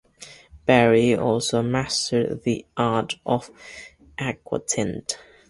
Barry also mastered the art of aquatint.